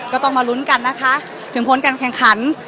ก็ต้องมาลุ้นกันนะคะถึงผลการแข่งขัน